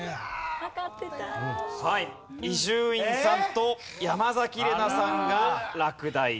伊集院さんと山崎怜奈さんが落第です。